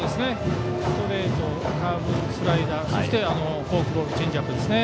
ストレート、カーブスライダー、フォークボールチェンジアップですね。